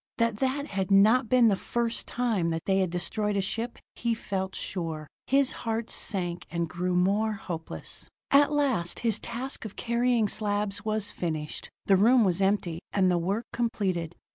That that had not been the first time that they had destroyed a ship, he felt sure; his heart sank, and grew more hopeless. At last his task of carrying slabs was finished. The room was empty, and the work completed.